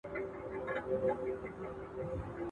د علم ترلاسه کول مهم دی، که څوک د ښوونې په لور ولاړ سي.